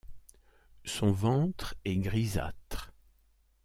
Son ventre est grisâtre.